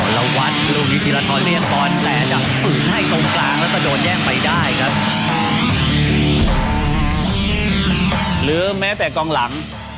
หรือแม้แต่กองหลัง